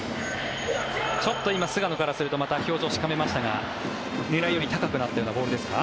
ちょっと今、菅野からするとまた表情をしかめましたが狙いより高くなったようなボールですか？